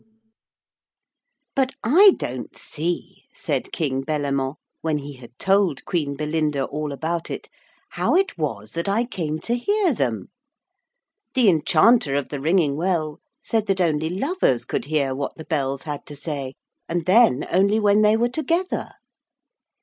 'But I don't see,' said King Bellamant, when he had told Queen Belinda all about it, 'how it was that I came to hear them. The Enchanter of the Ringing Well said that only lovers could hear what the bells had to say, and then only when they were together.'